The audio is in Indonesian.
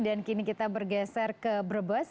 kini kita bergeser ke brebes